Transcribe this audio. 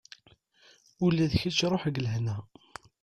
Ula d kečč ruḥ deg lehna.